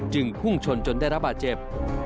พุ่งชนจนได้รับบาดเจ็บ